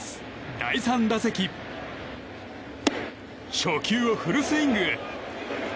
第３打席初球をフルスイング。